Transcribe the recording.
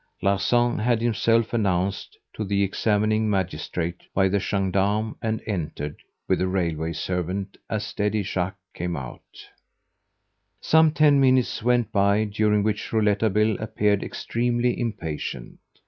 Larsan had himself announced to the examining magistrate by the gendarme and entered with the railway servant as Daddy Jacques came out. Some ten minutes went by during which Rouletabille appeared extremely impatient.